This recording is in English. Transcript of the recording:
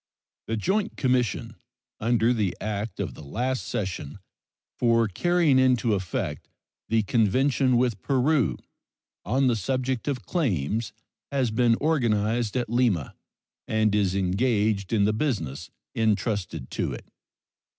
The joint commission under the act of the last session for carrying into effect the convention with Peru on the subject of claims has been organized at Lima, and is engaged in the business intrusted to it.